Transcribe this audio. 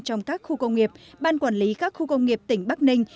trong các khu công nghiệp ban quản lý các khu công nghiệp tỉnh bắc ninh